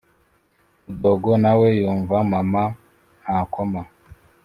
mudogo nawe yumva mama ntakoma.